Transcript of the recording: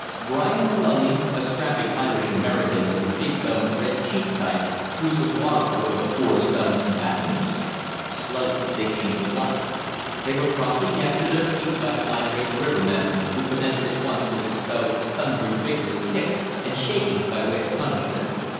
Bryan Moloney, a strapping Irish American of the big boned, red cheeked type, threw some water over the four stunned combatants. Slowly they came to life. They were promptly yanked to their feet by the irate rivermen, who commenced at once to bestow sundry vigorous kicks and shakings by way of punishment.